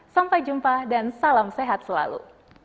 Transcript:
sampai jumpa dan salam sehat selalu